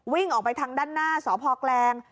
วิ่งออกไปทางด้านหน้าสพแกลง